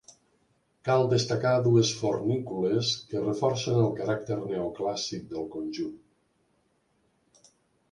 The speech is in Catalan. Cal destacar dues fornícules que reforcen el caràcter neoclàssic del conjunt.